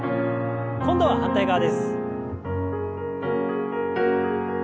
今度は反対側です。